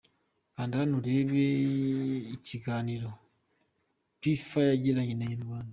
Kanda hano urebe ikiganiro P Fire yagiranye na Inyarwanda.